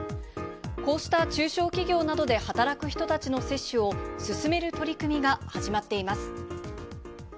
こうした中小企業などで働く人たちの接種を、進める取り組みが始まっています。